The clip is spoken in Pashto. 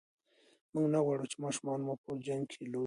موږ نه غواړو چې ماشومان مو په جنګ کې لوي شي.